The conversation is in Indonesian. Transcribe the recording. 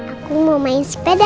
aku mau main sepeda sama papa